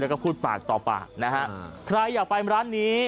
แล้วก็พูดปากต่อปากนะฮะใครอยากไปร้านนี้